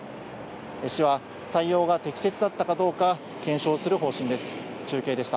市は対応が適切だったかどうか検証する方針です。